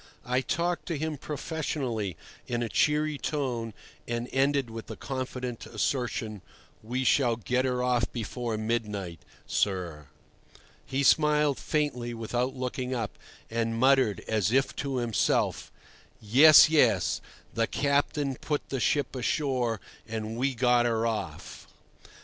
I talked to him professionally in a cheery tone, and ended with the confident assertion: "We shall get her off before midnight, sir." He smiled faintly without looking up, and muttered as if to himself: "Yes, yes; the captain put the ship ashore and we got her off."